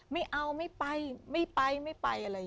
ไม่เอาไม่ไปไม่ไปไม่ไปอะไรอย่างนี้